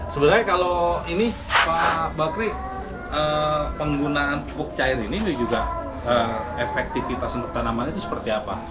sebenarnya kalau ini pak bakri penggunaan pupuk cair ini juga efektivitas untuk tanaman itu seperti apa